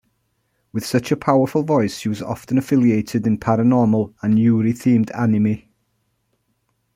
With such a powerful voice, she was often affiliated in paranormal and yuri-themed anime.